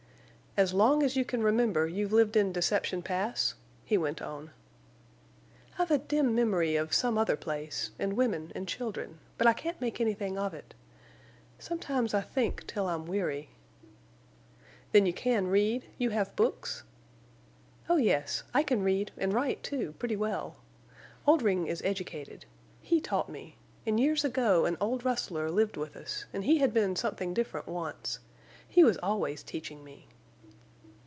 "As long as you can remember—you've lived in Deception Pass?" he went on. "I've a dim memory of some other place, and women and children; but I can't make anything of it. Sometimes I think till I'm weary." "Then you can read—you have books?" "Oh yes, I can read, and write, too, pretty well. Oldring is educated. He taught me, and years ago an old rustler lived with us, and he had been something different once. He was always teaching me."